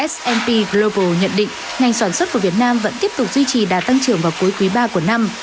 s p global nhận định ngành sản xuất của việt nam vẫn tiếp tục duy trì đà tăng trưởng vào cuối quý ba của năm